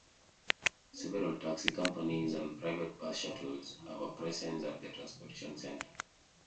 Several taxi companies and private bus shuttles have a presence at the Transportation Center.